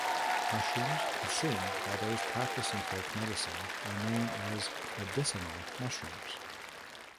Mushrooms consumed by those practicing folk medicine are known as medicinal mushrooms.